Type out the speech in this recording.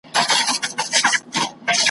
ستا په غاړه کي مي لاس وو اچولی ,